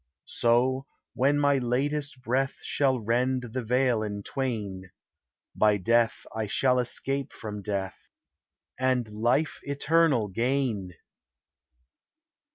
So, when my latest breath Shall rend the veil in twain, By death I shall escape from death, And life eternal gain.